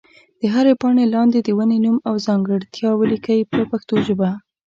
د هرې پاڼې لاندې د ونې نوم او ځانګړتیا ولیکئ په پښتو ژبه.